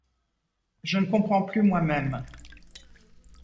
je ne me comprends plus moi-même.